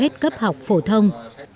hết cấp học phổ thông